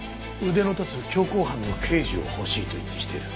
腕の立つ強行犯の刑事を欲しいと言ってきてる。